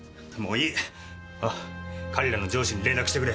おい彼らの上司に連絡してくれ。